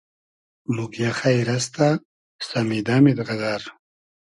موگیۂ خݷر استۂ ؟ سئمیدئمید غئدئر